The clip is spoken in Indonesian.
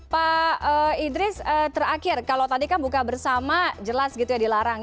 pak idris terakhir kalau tadi kan buka bersama jelas gitu ya dilarang